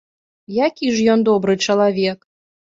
Які ж ён добры чалавек?